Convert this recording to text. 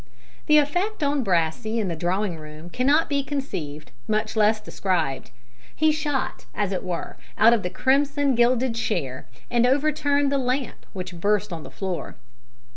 The effect on Brassey in the drawing room cannot be conceived, much less described. He shot, as it were, out of the crimson gilded chair and overturned the lamp, which burst on the floor.